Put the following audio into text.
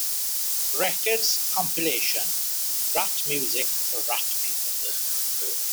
Records compilation "Rat Music for Rat People".